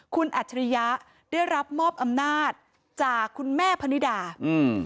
คุณอัจฉริยะได้รับมอบอำนาจจากคุณแม่พนิดาอืม